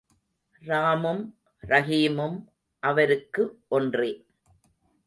ராமும் ரஹீமும் அவருக்கு ஒன்றே.